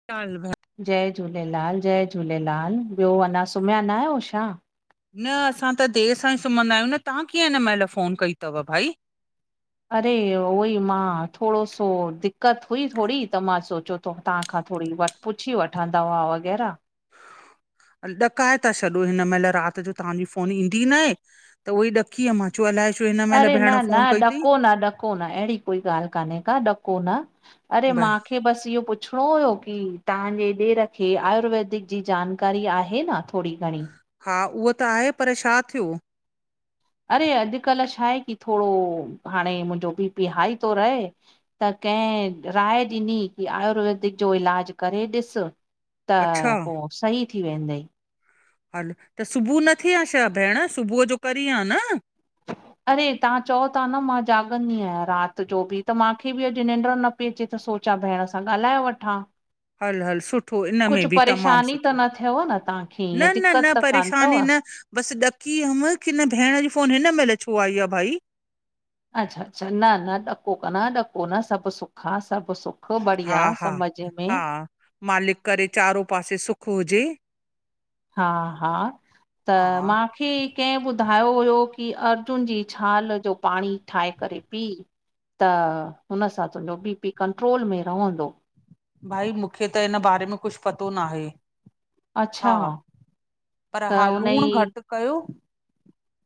[unintelligible] जय झूलेलाल! जय झूलेलाल! ॿियो अञा सुम्या ना आयो छा? न, असां त देर सां ई सुमंदा आयूं न, तहां कीअं हिन महिल फ़ोन कई तव भाई? अरे! उहो ई मां थोड़ो सो दिक़त हुई थोड़ी त मां सोचो तो तहांखां थोड़ी व पुछी वठां दवा वग़ैर। ॾकाए ता छॾो हिन महिल रात जो, तहांजी फोन ईंदी नाए त उहोई ॾ‌ कीअं मां चो अलाए छो इन अरे न न ॾको न, ॾको न एड़ी कोई ॻाल काने का ॾको न। अरे भई मां कि बस इयो पुछणो हुयो की तहांजे ॾेर खे आयुर्वेदिक जी जानकारी आहे न। थोड़ी घणी। हा, उह त आहे पर छा थियो? अरे अॼुकल छाहे की थोॾो हाणे मुंजो बीपी हाई तो रहे। त कंहि राय ॾिनी की आयुर्वेदिक जो इलाज करे ॾिस। त अच्छा पो सही थी वेंदई। हल त सुबह न थे आं छा भेण सुबह जो करीं आ न। अरे तहां चओ ता न मां जाॻंदी आहियां राति जो बि त मांखे बि अॼु निंॾ न पे चे त सोचां भेण सां ॻालाहे वठां। हल हल सुठो इनमें कुझु बि तमामु परेशानी त सुठो न थियव न तव्हांखे ईअं न न दिक़त न त कान अथव परेशानी न बस ॾकी हम की न भेण जी फोन हिन महिल छो आई आ भाई। अच्छा- अच्छा न- न ॾको कन ॾको न सब सुख आ सब सुख। ख़ूब हा बढ़िया हा समझ में। हा मालिक करे चारो पासे सुख हुजे। हा हा त हा मां मूंखे कंहिं ॿुधायो हुयो की अर्जुन जी छाल जो पाणी ठाहे करे पीउ। त हुन सां तुंजो बी पी कंट्रोल में रहंदो। भाई मुखे त इन बारे में कुछ पतो नाहे। अच्छा हा, पर त हा लूण हुनजी घट कयो।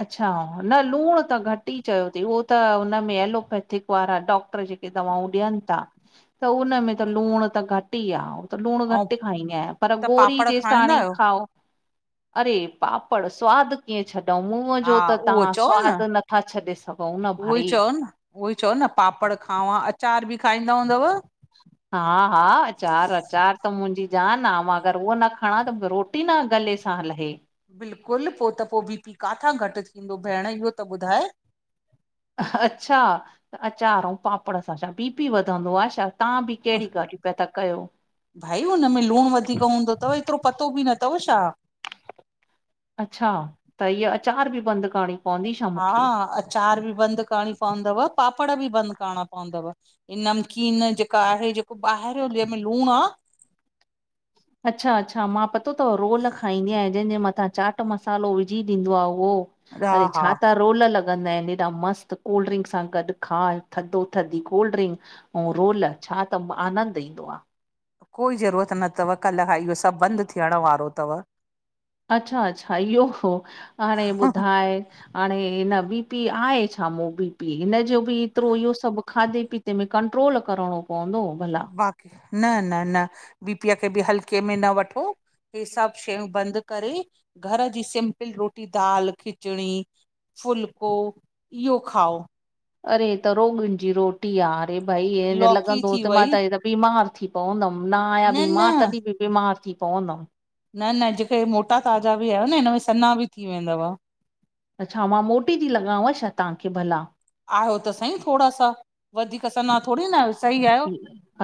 अच्छा, न लूण त घट ई चयो तईं उहो त उन में एलोपैथिक वारा डॉक्टर जेके दवाऊं ॾियनि ता त उन में त लूण त घ टी आऊ त लूण ऐं घट खाईंदी आहियां, पर त गोरी पापड़ जेस खाईंदा ताणी आहियो? खाओ। अड़े पापड़ स्वाद कीअं छॾऊं। मुह हा जो त उहो तहां चओ न स्वादु नथा छॾे घसऊं न उहो ई भाई। चओ न उहो ई चओ न पापड़ खावां अचार बि खाईंदा हूंदव। हा- हा अचार -अचार त मुंजी जान आ, मां अगर उहो न खणा त मुंखे रो टिन गले सां लहे। बिल्कुलु, पो त पो बी पी काथां घटि थींदो भेण इहो त ॿुधाए। अच्छा अचार अऊं पापड़ सां छा बीपी वधंदो आ छा। तहां बि केॾी ॻाल्यूं पिया ता कयो। भाई उन में लूण वधीक हूंदो तव एतिरो पतो बिन तव छा। अच्छा, त इअ अचार बि बंद करिणी हा अचार बि बंद करिणी पवंदव, पापड़ बि बंदि करिणा पवंदव। इ नमकीन जेका आहे जेको ॿाहिरियो जहिंमें लूण आ अच्छा अच्छा मां पतो अथव रोल खाईंदी आहियां जंहिंजे मथां चाट मसालो विझी ॾींदो आहे उहो। हा अरे हा छा तार रोल लॻंदा आहिन हेॾा मस्तु कोल्ड ड्रिंक सां गॾु खा थधो थधी कोल्ड ड्रिंक ऐं रोल छा त आनंद ईंदो आ। कोई ज़रूरत न अथव कल्ह खां इहो सभु बंद थियण वारो अथव। अच्छा- अच्छा इहो हो हाणे ॿुधाए हाणे हिन बी पी आहे छाामो बी पी हिन जो बि एतिरो इहो सभु खाधे पीते तंमें कंट्रोल करिणो पवंदो भला। बाकी न- न- न बीपीअ खे बि हलके में न वठो। ह सब शयूं बंद करे घर जी सिंपल रोटी दाल खिचड़ी फुल्को इहो खाओ। अरे त रोगन जी रोटी आहे अरे भई लौकी लॻंदो थी त मां वई त त बीमार थी प पवंदम न आहया बिमार मां तॾहिं बि बीमार थी पवंदम। न- न जेके मोटा ताज़ा बि आहियो न हिनमें सन्हा बि थी वेंदव। अच्छा, मां मोटी ती लॻांव छा तांखे भला। आयो त सईं थोरा सा, वधीक सन्हा थोरी न, सही आहे।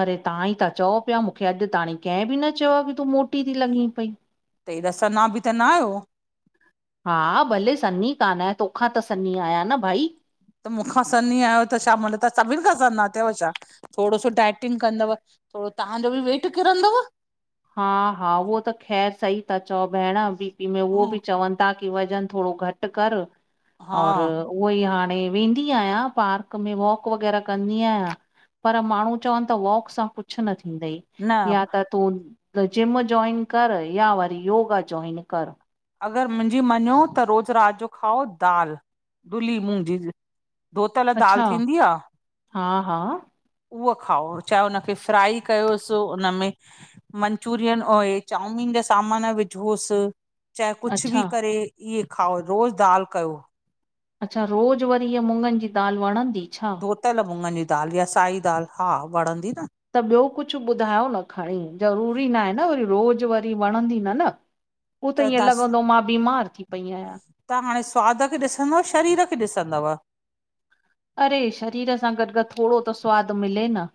अरे तां ई ता चओ पिया मुखे अॼु ताणी कंहिं बि न चयो कि तूं मोटी ती लॻें पई। हेॾा सन्हा बि त न आहियो। हा, भले सनी कान आहियां, तोखां त सनी आहियां न भाई। त मूंखां सन्ही आहियो त छा माना त सभिनि खां सन्हा थियउ छा? थोरो सो डाइटिंग कंदव, थोरो तहांजो बि वेट किरंदव। हा हा, उहो त ख़ैर सही ता चओ भेण, बी पी में उहो बि चवनि ताकी वज़न थोरो घटि कर, हा और उहो ई हाणे वेंदी आहियां, पार्क में वॉक वग़ैरह कंदी आहियां। पर माण्हूं चवनि ता, वॉक सां कुछु न थींदई। न या त तूं जिम जॉइन कर या वरी योगा जॉइन कर। अगरि मुंजी मञों त रोज़ु राति जो खाओ दाल, दु्हली मुंग जी, जी। धोतल अच्छा दालि थींदी आ? हा हा उहा खाओ, चाहे हुनखे फ्राई कयोसि उन में। मंचुरियन ओए चाउमीन जा सामान विझोसि। चाहे कुछु भी अच्छा करे इहे खाओ, रोज़ दालि कयो। अच्छा, रोज़ु वरी इ ईअं मुङनि जी दालि वणंदी छा। धोतल मुङनि जी दालि या साई दालि खा वणंदी न। त ॿियो कुछु ॿुधायो न खणी ज़रूरी नाहे न वरी रोज़ु वरी वणंदी न न। पो त ईअं लॻंदो, मां बीमार थी पई आहियां। त हाणे सवाद खे ॾिसंदव शरीर खे ॾिसंदव। अरे, शरीर सां गॾु गॾु थोरो त सवादु मिले न।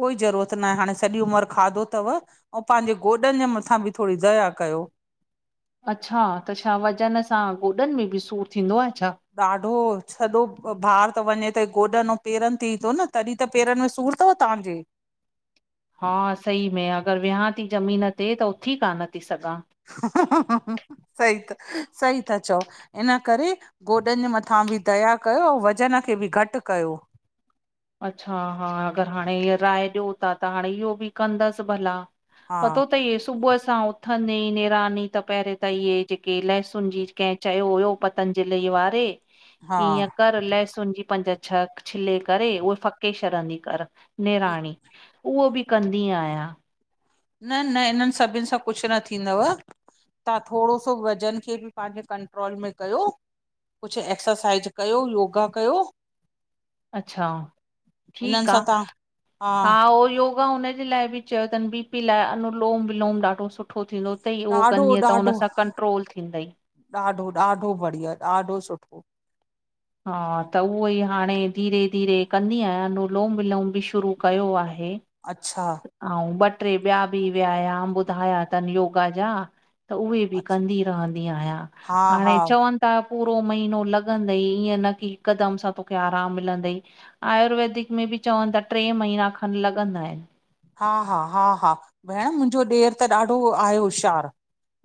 कोई ज़रूरत न आहे हाणे सॼी उमिरि खादो तव। ऐं पांजे गोॾनि जे मथां बि थोरी दया कयो। अच्छा, त छा वज़न सां गोॾनि में बि सूरु थींदो आ छा? ॾाढो सॼो भारु त वञे त गोॾनि ऐं पेरनि ते ई तो न तॾी त पेरनि में सूर तो तांजे? हा, सही में अगरि वेहां ती ज़मीन ते त उथी कान थी सघां। सई त, सही ता चओ। इन करे गोॾनि जे मथां बि दया कयो, ऐं वज़न खे बि घटि कयो। अच्छा हा, अगरि हाणे हीअ राय ॾियो ता त हाणे इहो बि कंदसि भला। हा पतो तई, इ सुबुह सां उथंदे ई निरानी, त पहिरियों त इहे जेके लहसुन जी कंहिं चयो हुयो पतंजली वारे हा की ईअं कर, लहसुन जी पंज छह छिले करे उहे फके छॾंदी कर। निणानी, उहो बी कंदी आहियां। न न, इनन सभिन सां कुछु न थींदव। तां थोरो सो वज़न खे बि पांजे कंट्रोल में कयो। कुछु एक्सरसाइज कयो, योगा कयो। अच्छा, इन्हनि ठीक आ, सां तव्हां हा उहो योगा हुनजे लाइ बी चयो तन बी पी लाइ अनुलोम विलोम ॾाढो सुठो थींदो त ईयो, ॾाढो कंदीअ त ॾाढो हुन सां कंट्रोल थींदई। ॾाढो ॾाढो बढ़िया, ॾाढो सुठो। हा, त उहो ई हाणे धीरे धीरे कंदी आहियां, अनुलोम विलोम बि शुरू कयो आहे। अच्छा। ऐं ॿ टे ॿिया बि वियायाम ॿुधाया तन योगा जा। त उहे बि अच्छा कंदी रहंदी आहियां हा हा हाणे चवन - - ता पूरो महीनो लॻंदई ई न की हिकदम सां तोखे आराम मिलंदई। आयुर्वेदिक में बि चवन था टे महीना खनि लॻंदा आहिन। हा। हा, हा, हा भेण मुंहिंजो ॾेरि त ॾाढो आहे होशियारु।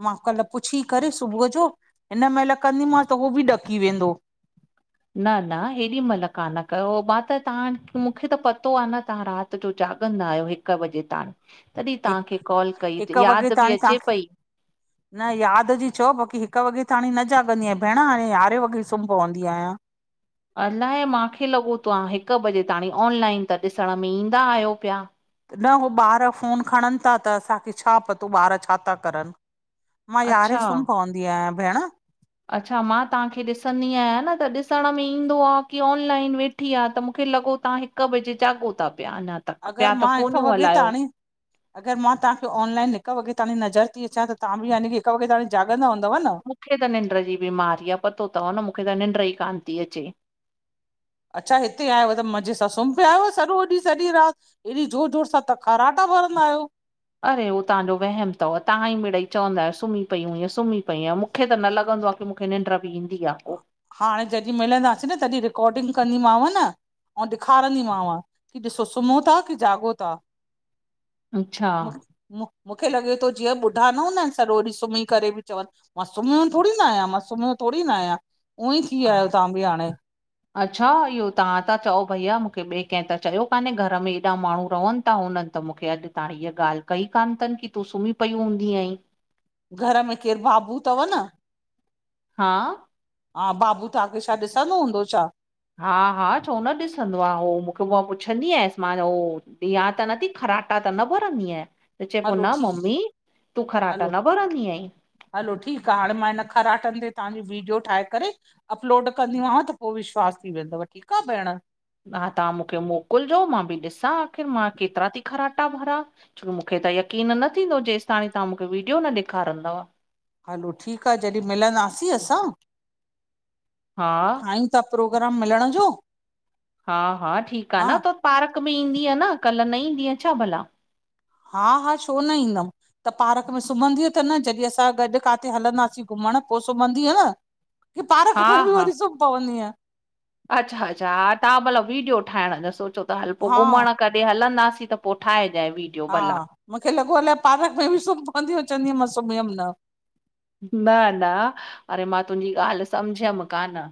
मां कल्हहि पुछी करे सुबुह जो। हिन महिल कंदीमांव त उहो बि ॾकी वेंदो। न, न, हेॾी महिल कान कयो। मां त तव्हां मूंखे त पतो आहे न तव्हां रात - - त जो जाॻंदा आहियो। हिकु बजे ता तॾहिं हिकु तव्हांखे कॉल कई हिकु वॻे याद ताणी बि अचे तव्हांखे पई। न याद जी चओ बाक़ी हिकु वॻे त हाणे न जाॻंदीयां भेण हाणे यारहें वॻे सुम्ही पवंदी आहियां। अलाए मूंखे लॻो त्ह हिकु बजे ताणी। ऑनलाइन त ॾिसण में ईंदा आहियो पया। न हो ॿार फोन खणन था त असांखे छा पतो ॿार छा था करन। मां यारे अच्छा सुम्ह पवंदी आहियां भेण। अच्छा मां तव्हांखे ॾिसंदी आहियां न त ॾिसण में ईंदो आ की ऑनलाइन वेठ। सुठी आ त मूंखे लॻो तव्हां हिकु बजे जाॻो था पिया। अञा तक पिया ता फ़ोनियूं हलायो। अगर मां तव्हांखे ऑनलाइन हिकु वॻे ताणी नज़र थी अचां त तव्हां बि यानि की हिकु वॻे ताणी जाॻंदा हूंव न। मूंखे त निंड जी बीमारी आ पतो तव न मूंखे त निंड ई कान थी अचे। अच्छा। हिते आयो त मज़े सां सुम्ही पयां हूयो सॼो ॾींहुं सॼी रात। एॾी जोर जोर सां त खराटा भरंदा आहियो। अड़े उह तव्हजो वहम तव ता ई मिड़ई चवंदा आहियो सुम्ही पई हुइय सुम्ही पई हुइय पईयं मु मूंखे त न लॻंदो आ की मूंखे निंड बि ईंदी आ को हाणे जॾहिं मिलंदासीं न तॾहिं रिकॉर्डिंग कंदीमांव न - - ऐं ॾेखारींदीमांव की ॾिसो सुम्हो था। की जाॻो था। अच्छा मु [unintelligible] मूंखे लॻे थो जीअं ॿुढा न हूंदा आहिन न सॼो ओॾहु सुम्ही करे बि चवन। मां सुम्हहिियो थोरी न आहियां मां, सुम्हहियो थोरी न आहियां उअं ई थी वहिया आहियो तव्हां बि हाणे। अच्छा। इहो तव्हां ता चओ भैया मूंखे ॿिए कंहिं त चयो कान्हे घर में एॾा माण्हू रहन था हुनन। त मूंखे अॼु ताण हीअ ॻाल्ह कई कोन्ह तन की तूं सुम्ही पई हूंदी आहीं। घर में केरु बाबू तव न। हा - - हा। बाबू तव्हांखे छा ॾिसंदो हूंदो छा। हा। हा। छो न ॾिसंदो आ, उ मूंखे उ पुछंदी आयस मां हो ॾिया त, नथी ख़राटा। खराटा त न भरंदी आहीं। त चई पयो हलो न ठीकु मम्मी तूं ख़राटा हलो न भरंदी आहीं। हलो। ठीकु आ हाणे मां हिन खराटन ते तव्हांज वीडियो ठाहे करे अपलोड त कंदि मा व त पोइ विश्वास बी वेंदव ठीक आ भेण। हा। तव्हां मूंखे मोकिलिजो मां बि ॾिसां आख़िर मां केतिरा थी ख़राटा भरियां। छो मूंखे त यकीन न थींदो जेस ताणी तव्हां मूंखे वीडियो न ॾेखारींदव। हलो। ठीकु आ जॾहिं मिलंदासीं असां। हा सभु प्रोग्राम मिलण जो। हा। हा। ठीकु आ हा न त पार्क में ईंदी अन। कल्ह न ईंदी छा भला? हा, हा छो न ईंदमि। त पार्क में सुम्हंदीअ त न जॾहिं असां गॾु काथे हलंदासीं घुमण पो सुम्हंदीअ न? की पार्क हा में बि हा वञी सुम्ह पवंदी? अच्छा, अच्छा हा तव्हां भला वीडियो ठाहिण जो सोचो ता। हल पोइ हा घुमण क जे हलंदासीं त पोइ ठाहेजाए बी हा, मुखे लॻो अलाए पार्क में बि सुम्ह पवंदि चवंदी मां सुम्हीयमि न। न न अरे मां तुंहिंजी ॻाल्हि सम्झियमि कान।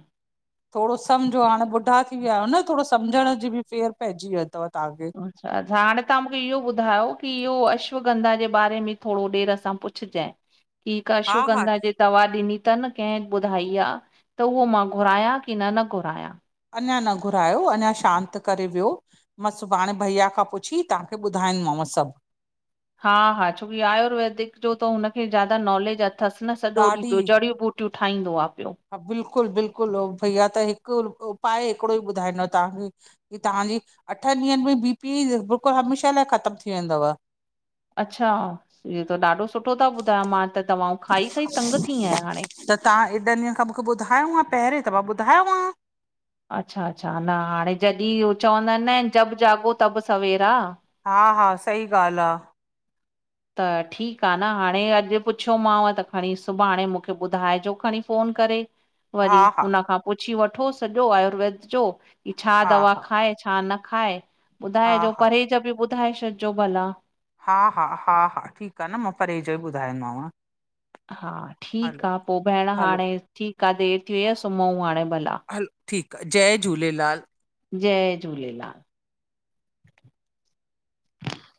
थोरो समुझो हाणे ॿुढा थी विया आहियो न थोरो समुझण जी बि फेर पइजी वियो तव तव्हांखे। अच्छा हाणे तव्हां मुखे इहो ॿुधायो कि इहो अश्वगंधा जे बारे में थोरो ॾेरि सां पुछ पुछजाए कि हा हा अश्वगंधा जे दवा ॾिनी तनि कंहिं ॿुधाई आ त उहो मां घुरायां कि न न घुरायां। अञा न घुरायो, अञा शांत करे वियो। मां सुभाणे भईया खां पुछी तव्हांखे ॿुधाईंदमांव सभु। हा-हा छोकि आयुर्वेदिक, जो त हुनखे ज्यादा नॉलेज अथसि न सॼो ॾींहुं पियो ॾाढी जड़ियूं ॿू टियूं थाइदो आ पियो। हा बिल्कुलु बिल्कुलु भैया त हिकु उपाय हिकिड़ो ई ॿुधाईंदव तव्हांखे। तव्हांजी अठनि ॾींहंनि में बी पी बिल्कुलु, हमेशा लाइ ख़तमु थी वेंदव। अच्छा इहो त ॾाढो सुठो ता ॿुधाय मां त दवाऊं खाई-खाई तंग थी आहियां हाणे। तहां एॾनि ॾींहंनि खां मुखे ॿुधायो आ पहिरे त मां ॿुधायो आव। अच्छा-अच्छा न हाणे, जॾहिं उ चवंदा आहिन न जब जाॻो तबि सवेरा हा-हा, सही ॻाल्हि आ। त ठीकु आ न हाणे अॼु पुछियोमांव त खणी सुभाणे मुखे ॿुधाइजो खणी फोन करे हा वरी हा हुन खां पुछी वठो सॼो आयुर्वेद जो छा हा दवा हा खाए, छा न खाए ॿुधाए हा जो हा परहेज बि ॿुधाए छॾिजो भला। हा हा हा हा, ठीकु आ न मां परहेज जो ॿुधाईंदमांव। हा ठीकु आ पोइ भेण हलो हाणे ठीकु आ देरि थी वई आ सुम्हूं हाणे भला। ठीकु आ, जय झूलेलाल। जय झूलेलाल।